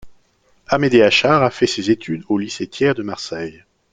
Amédée Achard a fait ses études au lycée Thiers de Marseille.